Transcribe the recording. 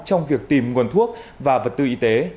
trong việc tìm nguồn thuốc và vật tư y tế